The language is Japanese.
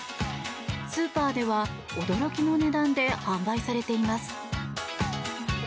スーパーでは驚きの値段で販売されています。